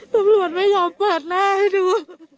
ตำรวจไม่ยอมเปิดหน้าให้ดู